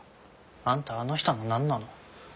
あんたあの人のなんなの？